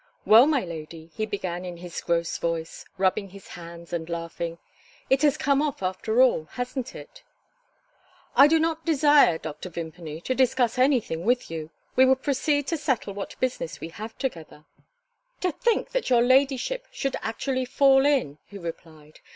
"Well, my lady," he began in his gross voice, rubbing his hands and laughing, "it has come off, after all; hasn't it?" "I do not desire, Dr. Vimpany, to discuss anything with you. We will proceed to settle what business we have together." "To think that your ladyship should actually fall in!" he replied.